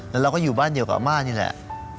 แล้วเราก็อยู่บ้านเดียวกับอาม่านี่แหละ